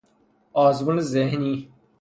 آزمون ذهنی